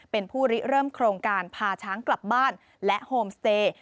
เป็นผู้ริเริ่มโครงการพาช้างกลับบ้านและโฮมสเตย์